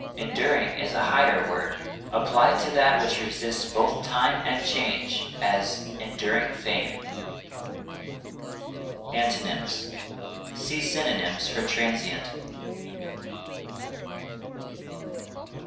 Enduring is a higher word, applied to that which resists both time and change; as, enduring fame. Antonyms: See synonyms for TRANSIENT.